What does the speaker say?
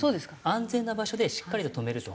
安全な場所でしっかりと止めると。